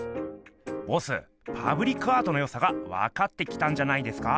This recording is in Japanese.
ボスパブリックアートのよさがわかってきたんじゃないですか。